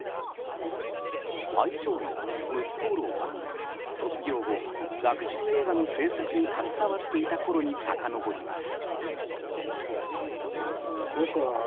愛称のムツゴロウは卒業後、学習映画の制作に携わっていたころにさかのぼります。